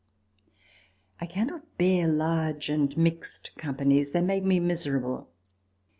I cannot bear large and mixed companies ; they make me miserable.